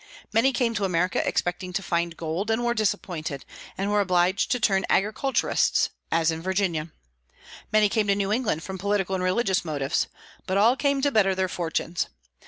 Many came to America expecting to find gold, and were disappointed, and were obliged to turn agriculturists, as in Virginia. Many came to New England from political and religious motives. But all came to better their fortunes.